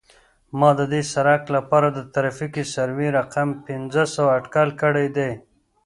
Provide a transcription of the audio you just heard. ما د دې سرک لپاره د ترافیکي سروې رقم پنځه سوه اټکل کړی دی